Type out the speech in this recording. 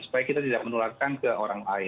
supaya kita tidak menularkan ke orang lain